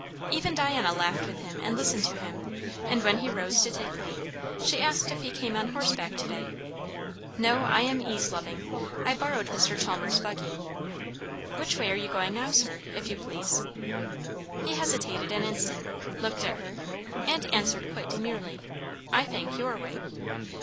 Even Diana laughed with him and listened to him; and when he rose to take leave, she asked if he came on horseback to day? "No, I am ease loving. I borrowed Mr. Chalmers' buggy." "Which way are you going now, sir, if you please?" He hesitated an instant, looked at her, and answered quite demurely, "I think, your way."